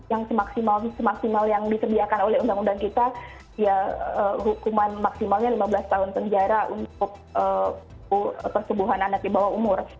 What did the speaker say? yang semaksimal semaksimal yang disediakan oleh undang undang kita ya hukuman maksimalnya lima belas tahun penjara untuk persembuhan anak di bawah umur